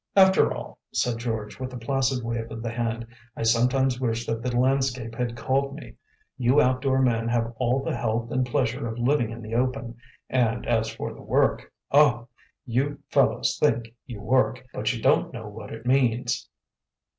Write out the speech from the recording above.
"After all," said George, with a placid wave of the hand, "I sometimes wish that the landscape had called me. You outdoor men have all the health and pleasure of living in the open, and as for the work oh! you fellows think you work, but you don't know what it means."